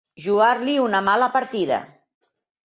Jugar-li una mala partida.